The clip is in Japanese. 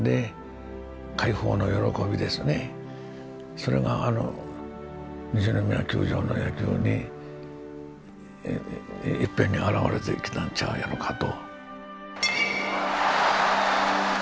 それがあの西宮球場の野球にいっぺんにあらわれてきたんちゃうやろかと。